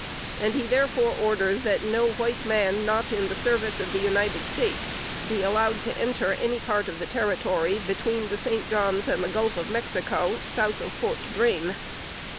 And he therefore orders that no white man, not in the service of the United States, be allowed to enter any part of the territory, between the St. John's and the Gulf of Mexico, south of Fort Drane."